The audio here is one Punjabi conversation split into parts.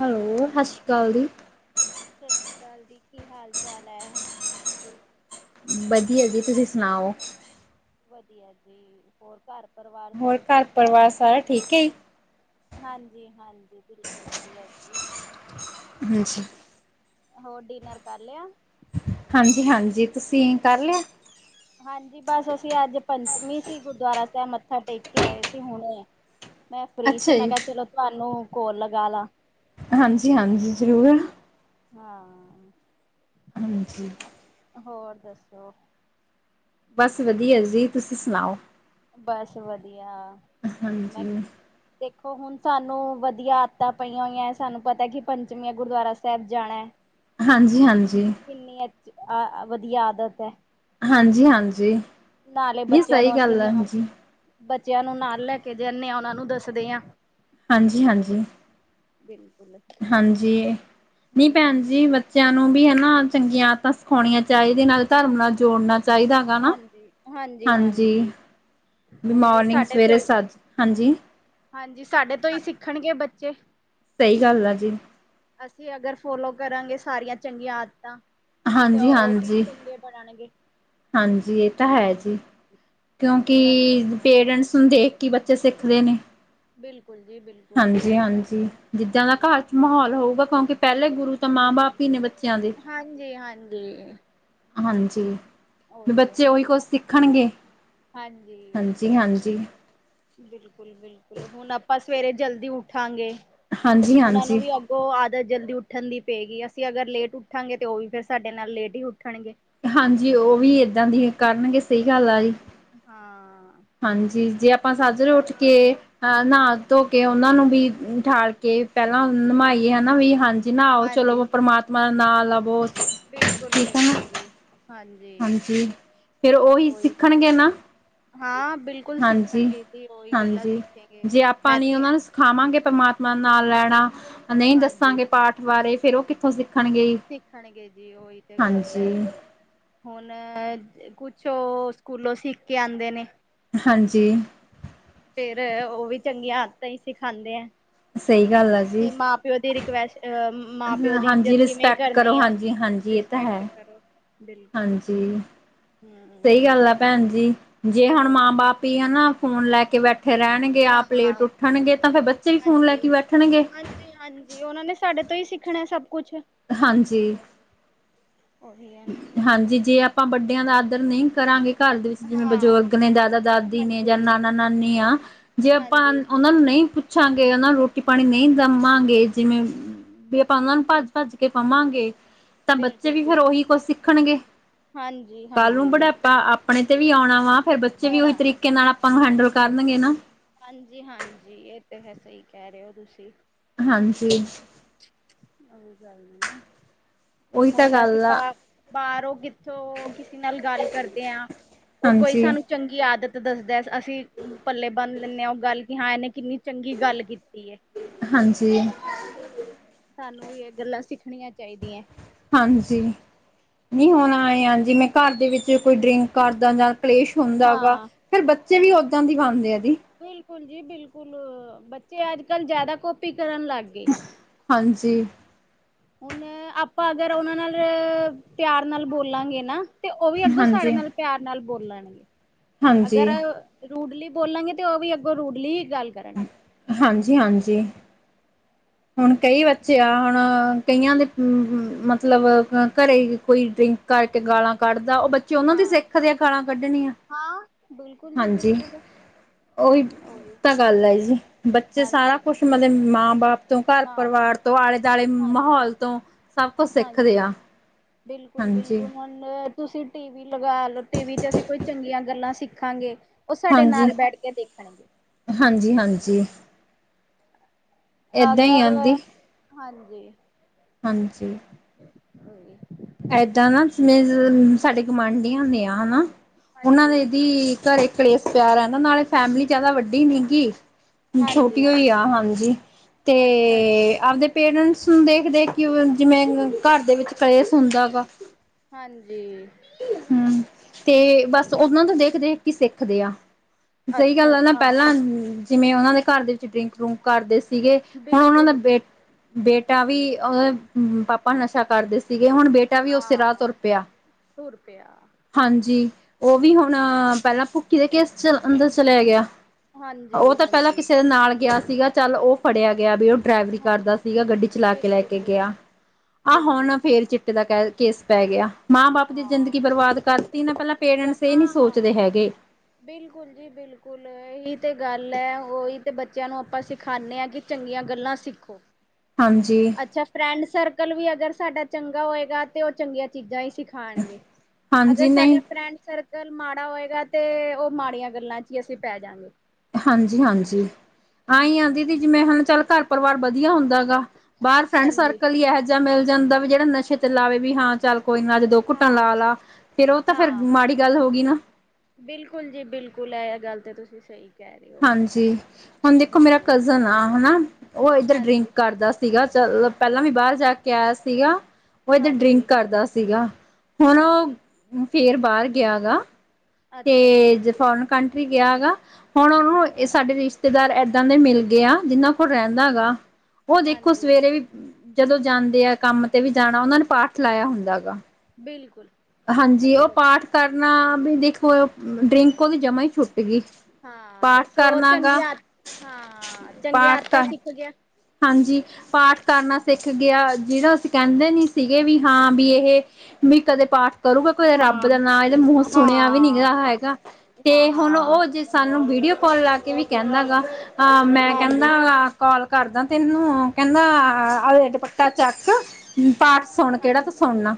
ਹੈਲੋ, ਸਤਿ ਸ਼੍ਰੀਕਾਲ ਜੀ। ਸਤਿ ਸ਼੍ਰੀ ਅਕਾਲ ਜੀ, ਕੀ ਹਾਲ ਚਾਲ ਐ? ਬਦੀਆ ਜੀ, ਤੁਸੀਂ ਸੁਣਾਓ। ਵਧੀਆ ਜੀ। ਹੋਰ ਘਰ ਪਰਵਾਰ ਹੋਰ ਘਰ ਪਰਵਾਰ ਸਾਰਾ ਠੀਕ ਐਈ। ਹਾਂਜੀ-ਹਾਂਜੀ, ਬਿਲਕੁਲ ਵਧੀਆ ਜੀ। ਹਾਂਜੀ। ਹੋਰ ਡਿਨਰ ਕਰ ਲੇਆ? ਹਾਂਜੀ-ਹਾਂਜੀ, ਤੁਸੀ ਕਾਰ ਲੇਆ? ਹਾਂਜੀ, ਬਸ ਅਸੀਂ ਅੱਜ ਪੰਚਮੀ ਸੀ ਗੁਰਦੁਆਰਾ ਸੈਬ ਮੱਥਾ ਟੇਕ ਕੇ ਆਏ ਸੀ ਹੁਣੇ। ਮੈਂ ਫ੍ਰੀ ਸੀ, ਅੱਛਾ ਮੈਂ ਜੀ ਕੇਯਾ ਚਲੋ ਤੁਆਨੂੰ ਕੋਲ ਲੱਗਾ ਲਾ। ਹਾਂਜੀ-ਹਾਂਜੀ, ਜਰੂਰ। ਹਾਂ। ਹਾਂਜੀ। ਹੋਰ ਦੱਸੋ। ਬੱਸ ਵਦੀਆ ਜੀ, ਤੁਸੀਂ ਸੁਨਾਉ। ਬੱਸ ਵਦੀਆ। ਹਾਂਜੀ। ਦੇਖੋ ਹੁਣ ਸਾਨੂੰ ਵਦੀਆ ਆਦਤਾਂ ਪਈਆਂ ਹੋਈਆਂ, ਸਾਨੂੰ ਪਤਾ ਕਿ ਪੰਚਵੀ ਆ ਗੁਰਦੁਆਰਾ ਸੈਬ ਜਾਨੈ। ਹਾਂਜੀ-ਹਾਂਜੀ। ਕਿੰਨੀ ਅਚੀ ਆ ਵਦੀਆ ਆਦਤ ਐ। ਹਾਂਜੀ-ਹਾਂਜੀ। ਨਾਲੇ ਬੱਚੇਆਂ ਨੂੰ ਅਸੀਂ ਨ ਬੱਚੇਆਂ ਨੂੰ ਨਾਲ ਲੈ ਕੇ ਜਾਂਣੇ ਆ, ਓਨਾਂ ਨੂੰ ਦੱਸਦੇ ਆਂ। ਹਾਂਜੀ-ਹਾਂਜੀ। ਬਿਲਕੁੱਲ। ਹਾਂਜੀ, ਨੀ ਭੈਣ ਜੀ ਮ ਬੱਚਿਆਂ ਨੂੰ ਵੀ ਹਨਾ ਚੰਗੀਆਂ ਆਦਤਾਂ ਸਿਖਾਉਣੀਆਂ ਚਾਹੀਦੀਆਂ ਨਾਲ। ਧਰਮ ਨਾਲ ਜੋੜਨਾ ਚਾਹੀਦਾ ਹਗਾ ਨਾ, ਹਾਂਜੀ। ਵੀ ਉਹੀ ਹੈ ਮੋਰਨਿੰਗ ਸਾਡੇ ਤੋਂ ਸਵੇਰੇ ਸੱਜ, ਹਾਂਜੀ। ਹਾਂਜੀ ਸਾਡੇ ਤੋਂ ਹੀ ਸਿੱਖਣਗੇ ਬੱਚੇ। ਸਹੀ ਗੱਲ ਆ ਜੀ। ਅਸੀਂ ਅਗਰ ਫੋਲੋ ਕਰਾਂਗੇ ਸਾਰੀਆਂ ਚੰਗੀਆਂ ਆਦਤਾਂ। ਤੇ ਹਾਂਜੀ- ਉਹ ਵੀ ਹਾਂਜੀ, ਚੰਗੇ ਬਣਨਗੇ। ਹਾਂਜੀ ਇਹ ਤਾਂ ਹੈ ਜੀ। ਕਿਉਂਕਿ ਹੁਣ ਅਸੀਂ ਪੇਰੈਂਟਸ ਨੂੰ ਦੇਖ ਕੇ ਹੀ ਬੱਚੇ ਸਿੱਖਦੇ ਨੇ। ਬਿਲਕੁੱਲ ਜੀ ਬਿਲ- ਹਾਂਜੀ- ਹਾਂਜੀ ਜਿੱਦਾਂ ਦਾ ਘਰ ਚ ਮਾਹੌਲ ਹੋਉਗਾ ਕਿਉਂਕਿ ਪਹਿਲੇ ਗੁਰੂ ਤਾਂ ਮਾਂ- ਬਾਪ, ਈ ਨੇ ਬੱਚਿਆਂ ਦੇ, ਹਾਂਜੀ, ਹਾਂਜੀ ਹਾਂਜੀ। ਹੈ ਬੱਚੇ ਨਾ ਉਹੀ ਕੁਛ ਸਿੱਖਣਗੇ। ਹਾਂਜੀ। ਬਿਲਕੁੱਲ- ਬਿਲਕੁੱਲ ਹੁਣ ਆਪਾਂ ਸਵੇਰੇ ਜਲਦੀ ਉਠਾਂਗੇ, ਹਾਂਜੀ ਉਹਨਾਂ ਨੂੰ ਹਾਂਜੀ ਵੀ ਅ- ਉਹ ਆਦਤ ਜਲਦੀ ਉੱਠਣ ਦੀ ਪਏਗੀ ਅਸੀਂ ਅਗਰ ਲੇਟ ਉੱਠਾਂਗੇ ਤੇ ਉਹ ਵੀ ਫੇਰ ਸਾਡੇ ਨਾਲ ਲੇਟ ਹੀ ਉੱਠਣਗੇ। ਹਾਂਜੀ ਉਹ ਵੀ ਏਦਾਂ ਦੀ ਹੀ ਕਰਨਗੇ ਸਹੀ ਗੱਲ ਆ ਜੀ। ਹਾਂ। ਹਾਂਜੀ ਜੇ ਆਪਾਂ ਸਾਜਰੇ ਉੱਠ ਕੇ ਅ ਨਹਾ ਧੋ ਕੇ ਉਹਨਾਂ ਨੂੰ ਵੀ ਠ- ਕੇ ਪਹਿਲਾਂ ਬਿਲ ਨਿਮਾਈਏ ਹਨਾ ਵੀ ਹਾਂਜੀ ਨਾਹਾਓ ਚਲੋ ਪਰਮਾਤਮਾ ਦਾ ਨਾ ਲਵੋ। ਬਿਲਕੁੱਲ- ਠੀਕ ਹੈ ਨਾ ਬਿਲਕੁੱਲ ਜੀ ਹਾਂ। ਹਾਂਜੀ, ਫੇਰ ਉਹੀ ਸਿੱਖਣਗੇ ਨਾ। ਹਾਂ ਬਿਲਕੁਲ ਹਾਂਜੀ- ਸਿੱਖਣਗੇ ਜੀ ਉਹੀ ਗੱਲਾਂ ਹਾਂਜੀ ਸਿੱਖੇਗੇ। ਜੇ ਆਪਾਂ ਮੈਂ ਨੇ ਤੇ ਉਹਨਾ ਨੂੰ ਸ- ਖਾਵਾਂਗੇ ਪ੍ਰਮਾਤਮਾ ਨਾ ਲੈਣਾ, ਨਹੀਂ ਹਾਂਜੀ ਦੱਸਾਂਗੇ ਪਾਠ ਬਾਰੇ ਫੇਰ ਉਹ ਕਿੱਥੋਂ ਸਿੱਖਣਗੇ? ਸਿੱਖਣਗੇ ਜੀ ਉਹੀ ਤੇ ਗੱਲ ਏ। ਹਾਂਜੀ ਹੁਣ ਕੁਛ ਉਹ ਸਕੂਲੋਂ ਸਿੱਖ ਕੇ ਆਂਦੇ ਨੇ। ਹਾਂਜੀ। ਫੇਰ ਉਹ ਵੀ ਚੰਗੀਆਂ ਆਦਤਾਂ ਹੀ ਸਿਖਾਂਦੇ ਐ। ਸਹੀ ਗੱਲ ਆ ਜੀ। ਪਿਓ ਦੀ ਰਿਕਵੇਸ ਆ ਮਾਂ- ਪਿਓ ਦੀ ਹਾਂਜੀ ਇੱਜਤ ਕਿਵੇਂ ਰਿਸਪੈਕਟ ਕਰਨੀ ਕਰੋ ਏ, ਹਾਂਜੀ ਹਾਂਜੀ ਇਹ ਤਾਂ ਹੈ ਰਿਸਪੈਕਟ ਕਰੋ। ਬਿਲਕੁਲ। ਹਾਂਜੀ, ਸਹੀ ਹਮ ਗੱਲ ਆ ਭੈਣ ਜੀ ਜੇ ਹੁਣ ਉਹੀ ਮਾਂ- ਤੇ ਬਾਪ ਵੀ ਹਨਾ ਫੋਨ ਲੈ ਕੇ ਬੈਠੇ ਰਹਿਣਗੇ, ਹਾਂ ਆਪ ਲੇਟ ਉੱਠਣਗੇ ਤਾਂ ਫੇਰ ਬੱਚੇ ਵੀ ਫੋਨ ਲੈ ਕੇ ਹੀ ਬੈਠਣਗੇ। ਤੇ ਹਾਂਜੀ ਉਹਨਾਂ ਨੇ ਸਾਡੇ ਤੋਂ ਹੀ ਸਿੱਖਣਾ ਸਭ ਕੁਛ। ਹਾਂ ਜੀ। ਉਹੀ ਹੈ ਨਾ। ਹਾਂਜੀ ਜੇ ਆਪਾਂ ਵੱਡਿਆਂ ਦਾ ਆਦਰ ਨਹੀਂ ਕਰਾਂਗੇ, ਘਰ ਦੇ ਵਿੱਚ ਜਿਵੇਂ ਹਾਂ ਬਜ਼ੁਰਗ ਨੇ ਦਾਦਾ- ਦਾਦੀ ਨੇ ਜਾਂ ਹਾਂਜੀ ਨਾਨਾ- ਨਾਨੀ ਆ। ਜੇ ਆਪਾ ਹਾਂਜੀ ਉਹਨਾ ਨੂੰ ਨਹੀਂ ਪੁ- ਪੁੱਛਾਂਗੇ ਉਹ ਨੂੰ ਰੋਟੀ ਪਾਣੀ ਨਹੀਂ ਦਵਾਂਗੇ ਜਿਵੇਂ ਉਅ ਵੀ ਆਪਾਂ ਉਹਨਾਂ ਨੂੰ ਬਿਲ ਭੱਜ- ਭੱਜ ਕੇ। ਕੇ ਪਵਾਂਗੇ ਤਾਂ ਬੱਚੇ ਬਿਲਕੁਲ ਵੀ ਫੇਰ ਬਿਲ ਉਹੀ ਕੁਛ ਸਿੱਖਣਗੇ। ਹਾਂਜੀ ਕੱਲ ਨੂੰ ਹਾਂਜੀ ਬੁਢਾਪਾ ਅਪ- ਆਪਣੇ ਤੇ ਵੀ ਆਉਣਾ ਵਾ ਫੇਰ ਬੱਚੇ ਵੀ ਉਹੀ ਆਉਣਾ। ਤਰੀਕੇ ਨਾਲ ਆਪਾਂ ਨੂੰ ਹੈਂਡਲ ਕਰਨਗੇ ਨਾ। ਹਾਂਜੀ- ਹਾਂਜੀ ਇਹ ਤੇ ਹੈ ਸਹੀ ਕਹਿ ਰਹੇ ਹੋ ਤੁਸੀਂ। ਹਾਂ ਜੀ। ਉਹੀ ਗੱਲ ਏ, ਉਹੀ ਤਾਂ ਹੁਣ ਅਸੀਂ ਗੱਲ ਬ ਆ ਬਾਰੋਂ ਕੀ- ਥੋ ਕਿਸੇ ਨਾਲ ਗਲ ਕਰਦੇ ਹਾਂ। ਉਹ ਕੋਈ ਹਾਂਜੀ ਸਾਨੂੰ- ਚੰਗੀ ਆਦਤ ਦੱਸਦਾ। ਅਸੀਂ ਪੱਲੇ ਬੰਨ ਲੈਂਨੇ ਹਾਂ। ਉਹ ਗੱਲ ਕਿ ਹਾਂ ਇਹਨੇ ਕਿੰਨੀ ਚੰਗੀ ਗੱਲ ਕੀਤੀ ਐ। ਹਾਂ ਜੀ। ਸਾਨੂੰ ਵੀ ਇਹ ਗੱਲਾਂ ਸਿੱਖਣੀਆਂ ਚਾਹੀਦੀਆਂ। ਹਾਂ ਜੀ, ਨਹੀਂ ਹੁਣ ਹਮ ਆਏ ਆ। ਜਿਵੇਂ ਘਰ ਦੇ ਵਿੱਚ ਕੋਈ ਡਰਿੰਕ ਕਰਦਾ ਗਾ ਜਾਂ ਕਲੇਸ਼ ਹੁੰਦਾ ਵਾ, ਹਾਂ ਫੇਰ ਬੱਚੇ ਵੀ ਓਦਾਂ ਦੀ ਬਣਦੇ ਆ ਜੀ। ਬਿਲਕੁਲ ਜੀ- ਬਿਲਕੁਲ ਬੱਚੇ ਅੱਜ ਕੱਲ੍ਹ ਜਿਆਦਾ ਕੋਪੀ ਕਰਨ ਲੱਗ ਗਏ। ਹਾਂ ਜੀ। ਹੁਣ ਆਪਾਂ ਅਗਰ ਉਹਨਾਂ ਨਾਲ ਅਅ ਪਿਆਰ ਨਾਲ ਬੋਲਾਂਗੇ ਨਾ। ਤੇ ਉਹ ਵੀ ਅੱਗੋਂ ਸਾਡੇ ਹਾਂਜੀ ਨਾਲ ਪਿਆਰ ਨਾਲ ਬੋਲਣ ਗੇ। ਅਗਰ ਹਾਂਜੀ ਰੂਡਲੀ ਬੋਲਾਂਗੇ ਤੇ ਉਹ ਵੀ ਅੱਗੋਂ ਰੂਡਲੀ ਹੀ ਗੱਲ ਕਰਨ ਹਾਂਜੀ -ਹਾਂਜੀ। ਹੁਣ ਕਈ ਬੱਚੇ ਆ। ਹੁਣ ਅ ਕਈਆਂ ਅਅਮ ਦੇ ਮਤਲਬ ਘਰੇ ਕੋਈ ਡਰਿੰਕ ਕਰਕੇ ਗਾਲਾਂ ਕੱਢਦਾ। ਉਹ ਬੱਚੇ ਉਹਨਾਂ ਤੋ ਹਾਂ ਸਿੱਖਦੇ ਆਂ ਗਾਲਾਂ ਕੱਢਣੀਆਂ। ਹਾਂ ਬਿਲਕੁਲ ਹਾਂ ਜੀ, ਬਿਲਕੁਲ ਉ ਓਹੀ ਉਹੀ ਤਾਂ ਗੱਲ ਹੈ ਜੀ, ਬੱਚੇ ਸਾਰਾ ਹਾਂਜੀ ਕੁਛ ਉਹਨਾਂ ਦੇ ਮਾਂ ਬਾਪ ਤੋਂ ਘਰ ਮਾਂ ਬਾਪ ਪਰਿਵਾਰ ਤੋਂ ਆਲੇ ਦਆਲੇ ਹਾਂਜੀ ਮਾਹੌਲ ਤੋਂ ਸਭ ਕੁਛ ਸਿੱਖਦੇ ਹਾਂਜੀ ਆ। ਬਿਲਕੁਲ ਹਾਂਜੀ -ਬਿਲਕੁਲ ਹੁਣ ਤੁਸੀਂ ਟੀ ਵੀ ਲਗਾ ਲਓ, ਜ ਟੀ ਵੀ ਅਸੀਂ ਕੋਈ ਚੰਗੀਆਂ ਗੱਲਾਂ ਸਿੱਖ ਦੇਖਾਂਗੇ। ਉਹ ਸਾਡੇ ਹਾਂਜੀ ਨਾਲ ਬੈਠ ਕੇ ਦੇਖਣਗੇ। ਹਾਂਜੀ -ਹਾਂਜੀ। ਏਦਾਂ ਹੀ ਅਗਰ ਆਂਦੀ ਹਾਂਜੀ। ਹਾਂਜੀ। [unintelligible] ਇਦਾਂ ਨਾ ਸਮੇਜ ਜਿਵੇ ਸਾਡੇ ਗੁਆਂਢੀਆਂ ਦੇ ਆ ਹਨਾ, ਉਹਨਾਂ ਨੇ ਹਾਂਜੀ ਇਹਦੀ ਕਲੇਸ਼ ਪਿਆ ਰਹਿੰਦਾ। ਨਾਲੇ ਫੈਮਿਲੀ ਜਿਆਦਾ ਵੱਡੀ ਨੀ ਗੀ। ਛੋਟੀ ਹਾਂਜੀ ਹੋਈ ਆ। ਹਾਂਜੀ, ਤੇ ਅੱਛਾ ਜੀ ਅਅ ਆਪਦੇ ਪੇਰੈਂਟਸ ਨੂੰ ਦੇਖ-ਦੇਖ ਕਿ ਜਿਵੇਂ ਘਰ ਦੇ ਵਿੱਚ ਕਲੇਸ ਹੁੰਦਾ ਗਾ। ਹਾਂਜੀ। ਹਮ ਤੇ ਬੱਸ ਉਹਨਾਂ ਤੋਂ ਦੇਖ -ਦੇਖ ਕੀ ਸਿੱਖਦੇ ਆ। ਸਹੀ ਗੱਲ ਅੱਛਾ ਆ। ਜੀ ਨਾ ਹਾਂ ਪਹਿਲਾਂ ਜਿਵੇਂ ਉਹਨਾਂ ਦੇ ਘਰ ਦੇ ਵਿੱਚ ਡਰਿੰਕ- ਡੁਰਿੰਕ ਕਰਦੇ ਸੀਗੇ। ਹੁਣ ਉਹਨਾਂ ਦਾ ਬਿਲਕੁਲ ਬੇਟ ਬਿਲ ਬੇਟਾ ਵੀ ਅ, ਉਹਦੇ ਪਾਪਾ ਨਸ਼ਾ ਕਰਦੇ ਸੀਗੇ। ਹੁਣ ਬੇਟੇ ਹਾਂ -ਹਾਂ ਤੁਰ ਪਿਆ। ਹਾਂਜੀ, ਉਹ ਵੀ ਹੁਣ ਪਹਿਲਾਂ ਭੁੱਕੀ ਦੇ ਕੇਸ ਚ, ਅੰਦਰ ਚਲਾ ਗਿਆ। ਹਾਂਜੀ ਉਹ ਤਾਂ ਪਹਿਲਾਂ ਹਾਂਜੀ ਕਿਸੇ ਨਾਲ ਗਿਆ ਸੀਗਾ। ਚੱਲ ਉਹ ਫੜਿਆ ਗਿਆ ਵੀ ਉਹ ਡਰਾਈਵਰੀ ਹਾਂ ਕਰਦਾ ਸੀਗਾ। ਗੱਡੀ ਚਲਾ ਕੇ ਲੈ ਬਿਲਕੁਲ ਕੇ ਗਿਆ। ਆਹ ਹੁਣ ਬਿਲਕੁਲ ਫੇਰ ਚ [unintelligible] ਕੇਸ ਪੈ ਗਿਆ ਮਾਂ ਬਾਪ ਉਹਦੀ ਜ਼ਿੰਦਗੀ ਹਾਂ ਬਰਬਾਦ ਕਰਤੀ ਨਾ। ਪਹਿਲਾਂ ਪੇਰੈਂਟਸ ਇਹ ਨੀ ਹਾਂ ਸੋਚਦੇ ਹੈਗੇ। ਬਿਲਕੁਲ ਜੀ ਜੀ ਬਿਲਕੁਲ ਇਹੀ ਤਾਂ ਗੱਲ ਹੈ। ਉਹੀ ਤੇ ਬੱਚਿਆਂ ਨੂੰ ਆਪਾਂ ਸਿਖਾਣੇ ਆ। ਕਿ ਚੰਗੀਆਂ ਗੱਲਾਂ ਸਿੱਖੋ। ਹਾਂਜੀ। ਅੱਛਾ, ਫਰੈਂਡ ਸਰਕਲ ਵੀ ਅਗਰ ਸਾਡਾ ਚੰਗਾ ਹੋਏਗਾ ਤੇ, ਉਹ ਚੰਗੀਆਂ ਚੀਜ਼ਾਂ ਹੀ ਸਿਖ ਖਾਣਗੇ। ਅਗਰ ਹਾਂਜੀ ਸਾਡੇ ਨਹੀਂ ਫਰੈਂਡ ਸਰ ਕੱਲ੍ਹ ਮਾੜਾ ਹੋਏਗਾ ਤੇ, ਉਹ ਮਾੜੀਆਂ ਗੱਲਾਂ ਚ ਹੀ ਅਸੀਂ ਪੈ ਜਾਗੇ। ਹਾਂਜੀ -ਹਾਂਜੀ ਆਈ ਆ। ਹਮ ਦੀਦੀ ਜਿਵੇਂ ਹੁਣ ਘਰ ਪਰਿਵਾਰ ਵਧੀਆ ਹੁੰਦਾ ਗਾ। ਬਾਰ ਫਰੈਂਡ ਹਾਂਜੀ ਸਰਕਲ ਹੀ ਇਹ ਜਾ ਮਿਲ ਜਾਂਦਾ ਵੀ ਜੇੜਾ ਨਸ਼ੇ ਤੇ ਲਾਵੇ ਵੀ ਹਾਂ ਚੱਲ ਕੋਈ ਨਾ ਅੱ ਦੋ ਘੁੱਟਾ ਲਾ-ਲਾ ਹਾਂ ਫਿਰ ਓ ਤਾਂ ਫਿਰ ਮਾੜੀ ਗੱਲ ਹੋਗੀ ਨਾ। ਬਿਲਕੁੱਲ ਜੀ ਬਿਲਕੁੱਲ ਐ ਗੱਲ ਤਾਂ ਤੁਸੀਂ ਸਈ ਹਾਂਜੀ ਹੁਣ ਦੇਖੋ ਮੇਰਾ ਕਜ਼ਨ ਆ ਹਨਾ ਓ ਏਧਰ ਡਰਿੰਕ ਹਾਂਜੀ ਕਰਦਾ ਸੀਗਾ ਚੱਲ ਪੈਲਾਂ ਵੀ ਬਾਰ ਜਾ ਕੇ ਆਇਆ ਸੀਗਾ ਓ ਇਧਰ ਡਰਿੰਕ ਹਾਂਜੀ ਕਰਦਾ ਸੀਗਾ ਹੁਣ ਹਾਂਜੀ ਓ ਫਿਰ ਬਾਰ ਗਿਆ ਗਾ ਅੱਛਾ ਤੇ ਜੀ ਜੇ ਫੋਰਨ ਕੰਟਰੀ ਗਿਆ ਗਾ ਹੁਣ ਓਨੂੰ ਏ ਸਾਡੇ ਰਿਸ਼ਤੇਦਾਰ ਏਦਾਂ ਦੇ ਮਿਲ ਗਏ ਆ ਜਿਨਾਂ ਕੋਲ ਰੈਂਦਾ ਗਾ ਓ ਦੇਖੋ ਹਾਂਜੀ ਸਵੇਰੇ ਵੀ ਜਦੋਂ ਜਾਂਦੇ ਆ ਕੰਮ ਤੇ ਵੀ ਜਾਣਾ ਉਨਾਂ ਨੇ ਪਾਠ ਲਾਇਆ ਹੁੰਦਾ ਗਾ। ਬਿਲਕੁੱਲ ਹਾਂਜੀ ਓ ਪਾਠ ਕਰਨਾ ਵੀ ਦੇਖੋ ਡਰਿੰਕ ਓਦੀ ਜਮਾ ਈ ਛੁੱ ਸੀਗੀ ਹਾਂ ਪਾਠ ਦੱਸੋ ਕਰਨਾ ਗਾ ਚੰਗੀਆਂ ਹਾਂ ਚੰਗੀਆਂ ਪਾਠ ਆਦਤਾਂ ਤਾਂ ਸਿੱਖ ਗਿਆ। ਹਾਂਜੀ ਪਾਠ ਕਰਨਾ ਸਿੱਖ ਗਿਆ ਜਿਨੂੰ ਅਸੀਂ ਕੈਂਦੇ ਨੀ ਸੀਗੇ ਵੀ ਹਾਂ ਵੀ ਏਹ ਵੀ ਕਦੇ ਪਾਠ ਕਰੂਗਾ ਕੋਈ ਏ ਰੱਬ ਹਾਂ ਦਾ ਨਾਂ ਏਦੇ ਮੂੰਹ ਸੁਣਿਆ ਵੀ ਨੀ ਹਾਂ ਹੈਗਾ ਤੇ ਹੁਣ ਹਾਂ ਓ ਜਿਸ ਸਾਨੂੰ ਵੀਡੀਓ ਕੋਲ ਲਾ ਕੇ ਵੀ ਕੈਂਦਾ ਗਾ ਹਾਂ ਮੈ ਕੈਂਦਾ ਹਾਂਜੀ। ਗਾ ਕੋਲ ਕਰਦਾ ਤੈਨੂੰ ਕੈਂਦਾ ਆ-ਆ ਲੈ ਦੁਪੱਟਾ ਚੱਕ ਪਾਠ ਸੁਣ ਕੇੜਾ ਹਾਂਜੀ ਤੂੰ ਸੁਣਨਾ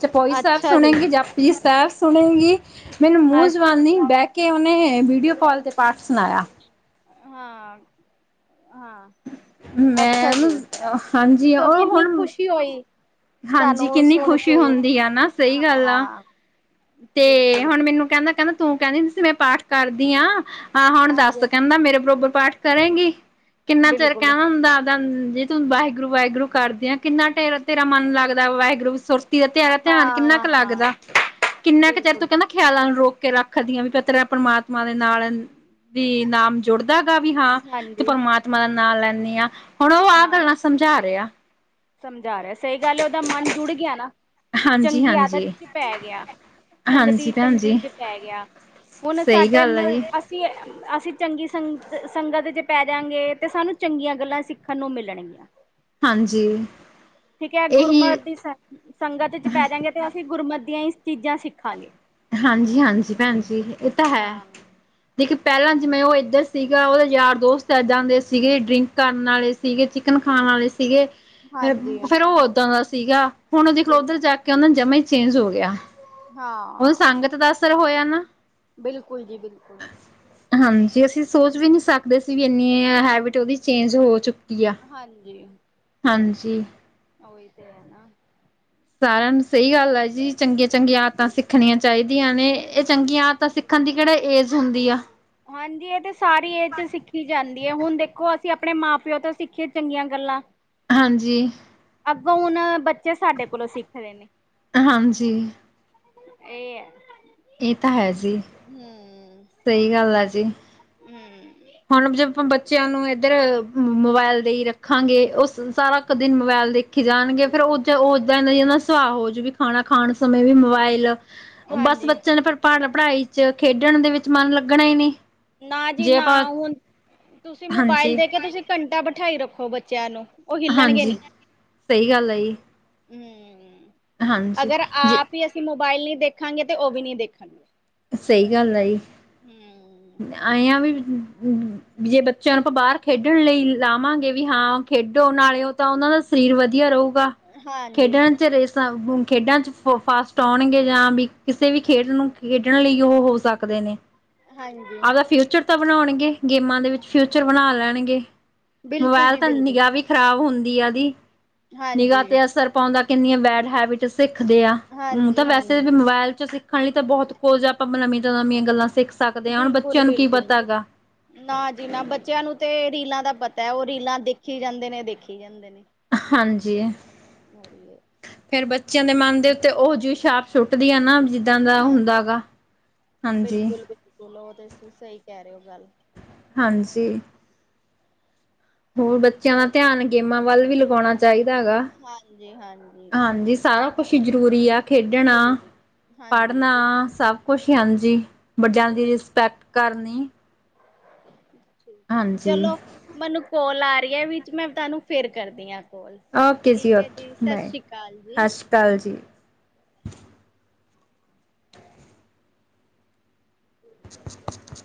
ਚਪੋਈ ਸੈਬ ਅੱਛਾ ਜੀ ਸੁਣੇਗੀ, ਜਪ ਜੀ ਸੈਬ ਸੁਣੇਗੀ ਮੈਨੂੰ ਮੂੰਹ ਅ ਜਵਾਨੀ ਬਹਿ ਕੇ ਉਨੇ ਵੀਡੀਓ ਕੋਲ ਤੇ ਪਾਠ ਸੁਣਾਇਆ। ਹਾਂ-ਹਾਂ ਮੈਂ ਉਨੂੰ ਅ ਹਾਂਜੀ ਓ ਹੁਣ ਪੀ ਓ ਏ ਹਾਂਜੀ ਕਿੰਨੀ ਖੁਸ਼ੀ ਹੁੰਦੀ ਆ ਨਾ ਸਈ ਗੱਲ ਆ ਹਾਂ ਤੇ ਬਿਲਕੁਲ ਹੁਣ ਬਿਲਕੁਲ ਮੈਨੂੰ ਕੈਂਦਾ-ਕੈਂਦਾ ਤੂੰ ਕੈਂਦੀ ਹੁੰਦੀ ਸੀ ਮੈਂ ਪਾਠ ਕਰਦੀ ਆ ਹਾਂ ਹੁਣ ਦੱਸ ਹਾਂਜੀ ਕੈਂਦਾ ਮੇਰੇ ਬਰੋਬਰ ਪਾਠ ਕਰੇਗੀ ਕਿੰਨਾ ਚਿਰ ਬਿਲਕੁਲ ਕੈਣਾ ਹੁੰਦਾ ਜੇ ਤੂੰ ਵਾਹਿਗੁਰੂ-ਵਾਹਿਗੁਰੂ ਕਰਦੇ ਆ ਕਿੰਨਾ ਟੇਰਾ ਤੇਰਾ ਮਨ ਲੱਗਦਾ ਵਾਹਿਗੁਰੂ ਸੁਰ ਤੀ ਹਾਂ ਤੇਰਾ ਧਿਆਨ ਕਿੰਨਾ ਕ ਹਾਂ ਲੱਗਦਾ ਕਿੰਨਾ ਕ ਚਿਰ ਤੂੰ ਬਿਲਕੁਲ ਕੈਂਦਾ ਖਿਆਲਾਂ ਨੂੰ ਰੋਕ ਕੇ ਰੱਖਦੀਆਂ ਵੀ ਪ ਤੇਰਾ ਪ੍ਰਮਾਤਮਾ ਦੇ ਨਾਲ ਵੀ ਨਾਮ ਜੁੜਦਾ ਗਾ ਵੀ ਹਾਂ ਤੂੰ ਹਾਂਜੀ ਪਰਮਾਤਮਾ ਦਾ ਨਾਂ ਲੈਣੀ ਆ ਹੁਣ ਓ ਆ ਹਾਂ ਗੱਲਾਂ ਸਮਝਾ ਰਿਆ। ਸਮਝਾ ਰਿਆ ਸਈ ਗੱਲ ਓਦਾ ਮਨ ਜੁੜ ਗਿਆ ਨਾ ਹਾਂਜੀ ਚੰਗੀ ਆਦਤ ਹਾਂਜੀ ਚ ਪੈ ਗਿਆ। ਹਾਂਜੀ ਸੰਗਤੀ ਭੈਣ ਚੰਗੀ ਜੀ ਚ ਪੈ ਗਿਆ ਹੁਣ ਸਹੀ ਸਾਡੇ ਗੱਲ ਹੈ ਮਲ ਜੀ ਅਸ ਚੀ ਅਸੀਂ ਚੰਗੀ ਸੰਗ ਸੰਗਤ ਚ ਪੈਜਾਂਗੇ ਤਾਂ ਸਾਨੂੰ ਚੰਗੀਆਂ ਗੱਲਾਂ ਸਿੱਖਣ ਨੂੰ ਮਿਲਣਗੀਆਂ। ਹਾਂਜੀ। ਠੀਕ ਐ ਇਹੀ ਗੁਰਮਤਿ ਦੀ ਸੰਗ ਸੰਗਤ ਚ ਪੈ ਜਾਂਗੇ ਤੇ ਅਸੀਂ ਗੁਰਮਤਿ ਦੀਆਂ ਈ ਚੀਜ਼ਾਂ ਸਿੱਖਾਂਗੇ। ਹਾਂਜੀ-ਹਾਂਜੀ ਭੈਣ ਜੀ ਏ ਹਾਂ ਲੇਕੀ ਪੈਲਾ ਜਿਵੇਂ ਓ ਏਧਰ ਸੀਗਾ ਇਦੇ ਯਾਰ ਦੋਸਤ ਇੱਦਾਂ ਦੇ ਸੀਗੇ ਡਰਿੰਕ ਕਰਨ ਆਲੇ ਸੀਗੇ, ਚਿਕਨ ਖਾਣ ਆਲੇ ਸੀਗੇ ਹਾਂਜੀ ਫੇਰ ਓ ਓਦਾਂ ਦਾ ਸੀਗਾ ਹੁਣ ਓ ਦੇਖਲੋ ਉੱਧਰ ਬਿਲਕੁਲ ਜਾ ਕੇ ਓ ਨਾਂ ਜਮਾ ਈ ਚੇਂਜ ਹੋ ਗਿਆ। ਓਨੂੰ ਹਾਂ ਸੰਗਤ ਦਾ ਅਸਰ ਹੋਇਆ ਨਾ। ਬਿਲਕੁਲ ਜੀ ਬਿਲਕੁਲ ਹਾਂਜੀ ਅਸੀਂ ਸੋਚ ਵੀ ਨੀ ਹਮ ਸਕਦੇ ਵੀ ਇੰਨੀ ਹੈਬਿਟ ਓਦੀ ਚੇਂਜ ਹੋ ਚੁੱ ਹਾਂਜੀ ਓਈ ਤੇ ਐ ਨਾ। ਸਾਰਿਆਂ ਨੂੰ ਸਈ ਗੱਲ ਆ ਜੀ ਚੰਗੀਆਂ-ਚੰਗੀਆਂ ਆਦਤਾਂ ਸਿੱਖਣੀਆਂ ਚਾਈਦੀਆਂ ਨੇ ਏ ਚੰਗੀਆਂ ਆਦਤਾਂ ਸਿੱ ਸਿੱਖਣ ਦੀ ਕਿਹੜਾ ਏਜ ਹੁੰਦੀ ਆ। ਹਾਂਜੀ, ਇਹ ਤੇ ਸਾਰੀ ਏਜ'ਚ ਸਿੱਖੀ ਜਾਂ ਦੇ ਹੁਣ ਦੇਖੋ, ਅਸੀਂ ਅਪਣੇ ਮਾਂ-ਪਿਉ ਤੋਂ ਸਿੱਖੀਏ ਚੰਗੀਆਂ ਗੱਲਾ। ਹਾਂਜੀ। ਅੱਗੋਂ ਹੁਣ ਬੱਚੇ ਸਾਡੇ ਕੋਲੋਂ ਸਿੱਖ ਰੇ ਨੇ। ਹਾਂਜੀ। ਇਹ ਐ। ਇਹ ਤਾ ਹੈ ਜੀ। ਹੂੰ ਸਹੀ ਗੱਲ ਆ ਜੀ। ਹੂੰ ਹੁਣ ਜੇ ਆਪਾਂ ਬੱਚਿਆਂ ਨੂੰ ਇੱਧਰ, ਮੋਬਾਇਲ ਦੇਈ ਰੱਖਾਂਗੇ ਉਹ ਸਾਰਾ ਕ ਦਿਨ ਮੋਬਾਇਲ ਦੇਖੀ ਰਖੀ ਜਾਣਗੇ, ਫਿਰ ਉਦ ਉਦਾਂ ਦਾ ਨਾ ਸੁਭਾਅ ਹੋਜੂ ਵੀ ਖਾਣਾ ਖਾਣ ਸਮੇਂ ਵੀ ਮੋਬਾਇਲ ਉਹ ਬਸ ਹਾਂਜੀ ਬੱਚਿਆਂ ਦਾ ਫਿਰ ਪੜ੍ਹਾਈ'ਚ, ਖੇਡਣ ਦੇ ਵਿੱਚ ਮਨ ਲੱਗਣਾ ਈ ਨੀ। ਨਾ ਜੀ ਨਾ, ਹੁਨ ਤੁਸੀਂ ਮੋਬਾਇਲ ਦੇਕੇ, ਤੁਸੀ ਘੰਟਾ ਬਿਠਾਈ ਰੱਖੋ ਬੱਚਿਆਂ ਨੂੰ। ਉਹ ਹਿੱਲਣਗੇ ਹਾਂਜੀ, ਨੀ। ਸਹੀ ਗੱਲ ਆ ਜੀ। ਹੂੰ, ਹਾਂਜੀ ਅਗਰ ਜੇ ਆਪ ਈ ਅਸੀਂ ਮੋਬਾਇਲ ਨਹੀਂ ਦੇਖਾਂਗੇ, ਤੇ ਉਹ ਵੀ ਨਹੀਂ ਦੇਖਣ ਸਹੀ ਗੱਲ ਆ ਜੀ। ਹੂੰ ਆਂਏ ਆ ਵੀ ਜੇ ਬੱਚਿਆਂ ਨੂੰ ਆਪਾਂ ਬਾਹਰ ਖੇਡਣ ਲਈ ਲਾਵਾਂਗੇ ਵੀ ਹਾਂ ਖੇਡੋ, ਨਾਲੇ ਓਦਾਂ ਉਹਨਾਂ ਦਾ ਸਰੀਰ ਵਧੀਆ ਰਹੂਗਾ। ਹਾਂਜੀ ਖੇਡਾਂ-ਚ ਰੇਸ ਖੇਡਾਂ 'ਚ ਫਾਸਟ ਆਉਣਗੇ, ਜਾਂ ਵੀ ਕਿਸੇ ਵੀ ਖੇਡ ਨੂੰ ਖੇਡਣ ਲਈ ਉਹ ਹੋ ਸਕਦੇ ਨੇ। ਹਾਂਜੀ ਆਵਦਾ ਫਿਊਚਰ ਤਾਂ ਬਣਾਉਣਗੇ ਗੇਮਾਂ ਦੇ ਵਿੱਚ, ਫਿਊਚਰ ਬਣਾ ਲੈਣਗੇ। ਬਿਲਕੁਲ ਮੋਬਾਇਲ ਜੀ ਤਾ ਬਿਲਕੁਲ ਨਿਗਾਹ ਵੀ ਖ਼ਰਾਬ ਹੁੰਦੀ ਆ ਓਹਦੀ, ਹਾਂਜੀ। ਨਿਗਾਹ ਤੇ ਅਸਰ ਪਾਉਂਦਾ, ਕਿੰਨੀਆਂ ਬੈਡ ਹੈਬਿਟ ਸਿੱਖਦੇ ਆ। ਊਅ ਤਾਂ ਹਾਂਜੀ ਵੈਸੇ ਹਾਂਜੀ ਵੀ ਮੋਬਾਇਲ'ਚ ਸਿੱਖਣ ਲਈ ਤਾਂ ਬਹੁਤ ਕੁਝ ਆ, ਆਪਾਂ ਨਵੀ ਤੋਂ ਨਵੀਆਂ ਗੱਲਾਂ ਸਿੱਖ ਸਕਦੇ ਹਾਂ, ਹੁਣ ਬੱ ਬਿਲਕੁਲ ਬਿਲਕੁਲ। ਨਾ ਜੀ ਨਾ, ਬੱਚਿਆਂ ਨੂੰ ਤੇ ਰੀਲਾਂ ਦਾ ਪਤੈ, ਉਹ ਰੀਲਾਂ ਦੇਖੀ ਜਾਂਦੇ ਨੇ, ਦੇਖੀ ਜਾਂਦੇ ਨੇ। ਹਾਂਜੀ। ਹੋ ਰਹੀ ਏ। ਫੇਰ ਬੱਚਿਆਂ ਦੇ ਮਨ ਦੇ ਉੱਤੇ ਉਹ ਜਿਹੀ ਛਾਪ ਸੁੱਟਦੀ ਆ ਨਾ ਜ਼ਿੰਦਾ ਦਾ ਹੁੰਦਾ ਹਾਂਜੀ ਗਾ, ਹਾਂਜੀ। ਚਲੋ, ਉਹ ਤੇ ਤੁਸੀਂ ਸਹੀ ਕਹਿ ਰਹੇ ਓ ਗੱਲ। ਹਾਂਜੀ। ਹੋਰ ਬੱਚਿਆਂ ਦਾ ਧਿਆਨ ਗੇਮਾਂ ਵੱਲ ਵੀ ਲਗਾਉਣਾ ਚਾਹੀਦਾ ਗਾ। ਹਾਂਜੀ-ਹਾਂਜੀ। ਹਾਂਜੀ, ਸਾਰਾ ਜੀ ਜ਼ਰੂਰੀ ਆ ਖੇਡਣਾ, ਜ਼ਰੂਰੀ ਹਾਂਜੀ ਪੜ੍ਹਨਾ ਬਿਲਕੁਲ ਸਭ ਕੁਛ, ਹਾਂਜੀ। ਵੱਜਆਂ ਦੀ ਬਿਲਕੁਲ ਰਿਸਪੈਕਟ ਕਰਨੀ। ਹਾਂਜੀ। ਚਲੋ। ਮਨੂ ਕੌਲ ਆ ਰਹੀ ਏ ਵਿੱਚ, ਮੈਂ ਤੁਹਾਨੂੰ ਫੇਰ ਕਰਦੀ ਆਂ ਕੌਲ। ਓਕੇ ਠੀਕ ਹੈ ਜੀ, ਸਤਿ ਸ੍ਰੀ ਅਕਾਲ ਜੀ। ਕਾਲਜੀ। [unintelligible]